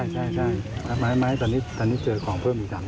ใช่มาให้เจอของเพิ่มอีก๓๐บาท